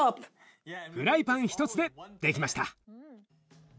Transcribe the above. フライパン１つでできました！